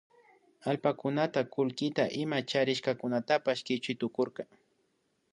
Allpakunata kullkita ima charishkakunatapash kichuy tukunkarka